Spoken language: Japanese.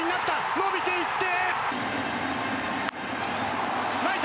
伸びて行って。